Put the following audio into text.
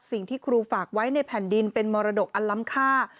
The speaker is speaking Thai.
สิ่งที่ครูฝากไว้ในแผ่นดินเป็นมรดกอันล้ำค่า